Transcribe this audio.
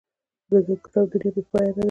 د کتاب دنیا بې پایانه ده.